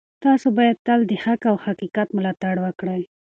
تاسو باید تل د حق او حقیقت ملاتړ وکړئ.